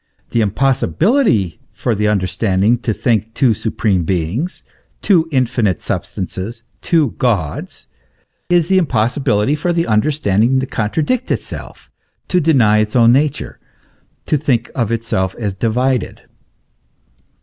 41 The impossibility for the understanding to think two supreme beings, two infinite substances, two Gods, is the impossibility for the understanding to contradict itself, to deny its own nature, to think of itself as divided.